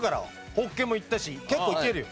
ホッケもいったし結構いけるよ。